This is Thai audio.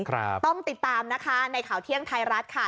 ต้องติดตามนะคะในข่าวเที่ยงไทยรัฐค่ะ